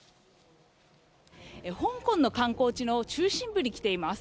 香港の観光地の中心部に来ています。